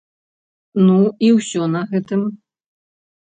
Ну, і ўсё на гэтым!